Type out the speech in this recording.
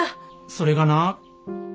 それがなあ。